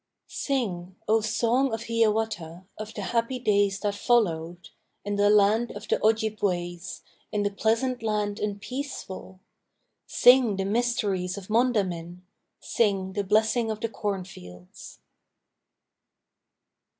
Sing, O Song of Hiawatha, Of the happy days that followed, In the land of the Ojibways, In the pleasant land and peaceful! Sing the mysteries of Mondamin, Sing the Blessing of the Cornfields!